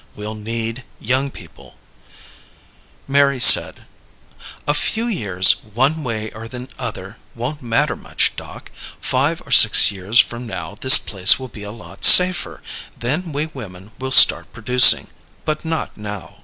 We'll need young people " Mary said, "A few years one way or the other won't matter much, Doc. Five or six years from now this place will be a lot safer. Then we women will start producing. But not now."